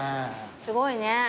すごいね。